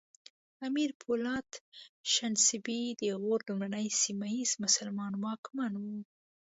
امیر پولاد شنسبی د غور لومړنی سیمه ییز مسلمان واکمن و